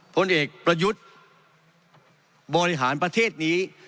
ผลเอกประยุทธ์บริหารประเทศนี้